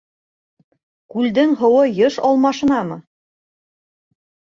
Күлдең һыуы йыш алмашынамы?